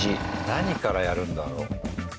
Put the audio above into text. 何からやるんだろう？